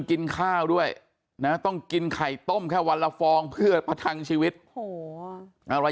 กินข้าวด้วยนะต้องกินไข่ต้มแค่วันละฟองเพื่อประทังชีวิตโอ้โหอะไร